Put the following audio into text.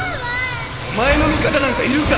お前の味方なんかいるか！